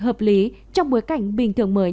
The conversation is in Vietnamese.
hợp lý trong bối cảnh bình thường mới